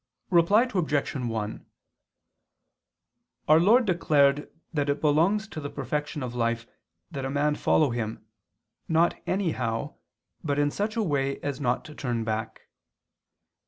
Reply Obj. 1: Our Lord declared that it belongs to the perfection of life that a man follow Him, not anyhow, but in such a way as not to turn back.